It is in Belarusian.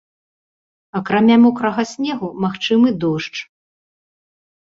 Акрамя мокрага снегу магчымы дождж.